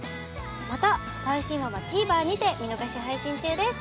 また最新話は「ＴＶｅｒ」にて見逃し配信中です。